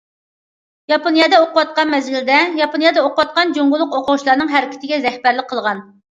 ياپونىيەدە ئوقۇۋاتقان مەزگىلىدە، ياپونىيەدە ئوقۇۋاتقان جۇڭگولۇق ئوقۇغۇچىلارنىڭ ھەرىكىتىگە رەھبەرلىك قىلغان.